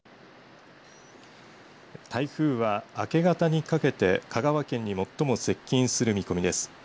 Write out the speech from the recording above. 台風は、明け方にかけて香川県に最も接近する見込みです。